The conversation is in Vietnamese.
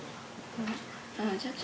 cảm ơn chào chào